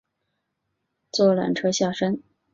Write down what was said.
坐缆车下山